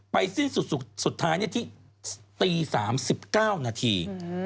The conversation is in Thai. ไปสิ้นสุดท้ายที่ตี๓๑๙นาที